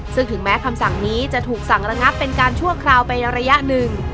ซึ่งถึงแม้คำสั่งนี้จะถูกสั่งระงับเป็นการชั่วคราวไประยะหนึ่ง